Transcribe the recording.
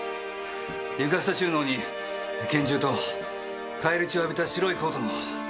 床下収納に拳銃と返り血を浴びた白いコートも。